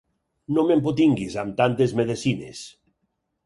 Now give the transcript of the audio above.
No m'empotinguis amb tantes medecines!